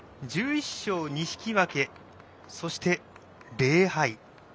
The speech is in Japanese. １１勝２引き分けそして、０敗。